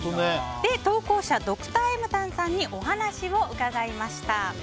投稿者、Ｄｒ．エムタンさんにお話を伺いました。